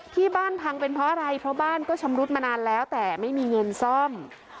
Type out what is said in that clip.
ที่บ้านพังเป็นเพราะอะไรเพราะบ้านก็ชำรุดมานานแล้วแต่ไม่มีเงินซ่อม